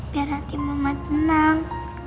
biar hati mama tenang